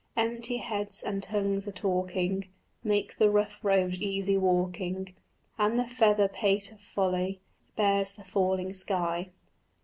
Empty heads and tongues a talking Make the rough road easy walking, And the feather pate of folly Bears the falling sky.